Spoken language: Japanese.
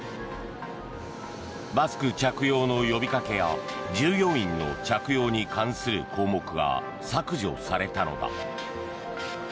マスク着用の呼びかけや従業員の着用に関する項目が削除されたのだ。